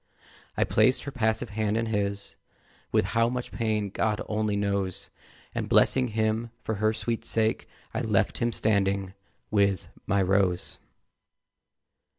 I placed her passive hand in his With how much pain God only knows And blessing him for her sweet sake, I left him standing with my Rose!